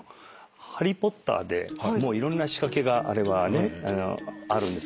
『ハリー・ポッター』でいろんな仕掛けがあれはねあるんです。